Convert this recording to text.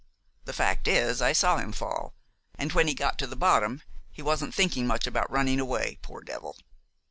The fact is, I saw him fall, and when he got to the bottom he wasn't thinking much about running away, poor devil!"